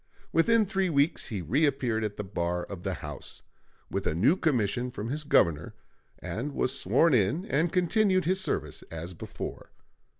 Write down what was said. Within three weeks he reappeared at the bar of the House, with a new commission from his Governor, and was sworn in and continued his service as before.